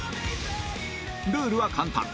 ルールは簡単